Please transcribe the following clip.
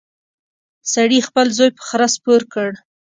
سړي خپل زوی په خره سپور کړ.